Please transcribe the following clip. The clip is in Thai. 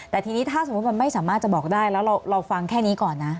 แต่ทีนี้ถ้าสมมุติมันไม่สามารถจะบอกได้แล้วเราฟังแค่นี้ก่อนนะ